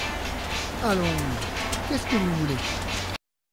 Allons ! qu’est-ce que vous voulez ?